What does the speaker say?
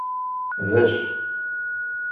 Becc.